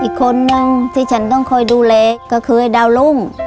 อีกคนนึงที่ฉันต้องคอยดูแลก็คือดาวรุ่ง